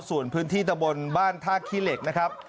ส่วนพื้นที่ตะบนบ้านท่าขี้เหล็กนะครับ